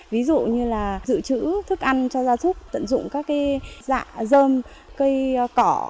ví dụ như là dự trữ thức ăn cho gia súc tận dụng các dạng dơm cây cỏ